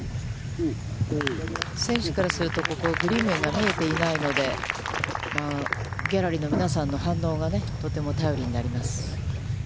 選手からすると、ここグリーン面が見えていないので、ギャラリーの皆さんの反応がとても頼りになります。